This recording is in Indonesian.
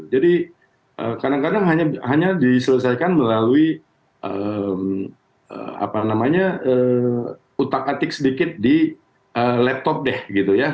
jadi kadang kadang hanya diselesaikan melalui utak atik sedikit di laptop gitu ya